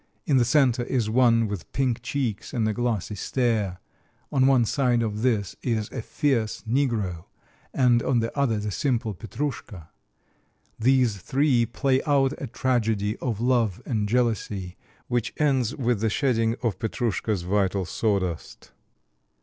In the center is one with pink cheeks and a glassy stare. On one side of this is a fierce negro, and on the other the simple Petrouschka. These three play out a tragedy of love and jealousy, which ends with the shedding of Petrouschka's vital sawdust.